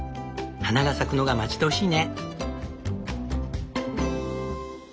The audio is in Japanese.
花が咲くのが待ち遠しいね。